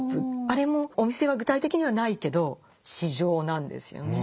あれもお店は具体的にはないけど市場なんですよね。